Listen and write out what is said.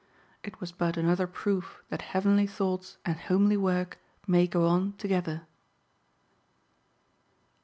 It was but another proof that heavenly thoughts and homely work may go on together.